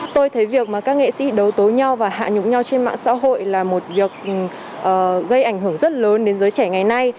tôi thấy việc mà các nghệ sĩ đấu tối nhau và hạ nhúng nhau trên mạng xã hội là một việc gây ảnh hưởng rất lớn đến giới trẻ ngày nay